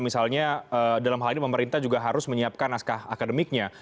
misalnya dalam hal ini pemerintah juga harus menyiapkan naskah akademiknya